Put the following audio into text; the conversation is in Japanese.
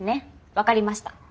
分かりました。